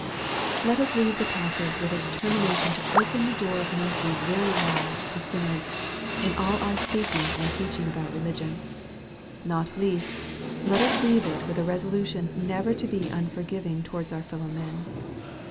Let us leave the passage with a determination to open the door of mercy very wide to sinners, in all our speak ing and teaching about religion. Not least, let us leave it with a resolution never to be unforgiving towards our fellow men.